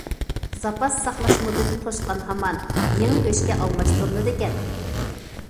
زاپاس ساقلاش مۇددىتى توشقان ھامان يېڭى گۆشكە ئالماشتۇرۇلىدىكەن.